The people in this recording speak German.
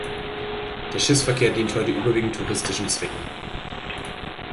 Der Schiffsverkehr dient heute überwiegend touristischen Zwecken.